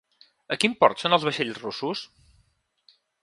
A quin port són els vaixells russos?